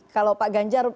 kalau pak ganjar